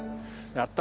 やった！